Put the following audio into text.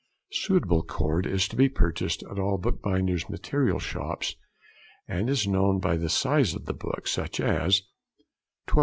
Suitable cord is to be purchased at all the bookbinder's material shops, and it is known by the size of the book, such as 12mo.